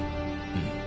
うん。